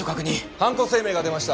犯行声明が出ました